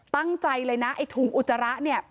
ตั้งใจเลยนะไอ้ถุงอุจจาระเนี่ย